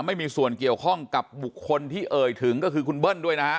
ไม่มีส่วนเกี่ยวข้องกับบุคคลที่เอ่ยถึงก็คือคุณเบิ้ลด้วยนะฮะ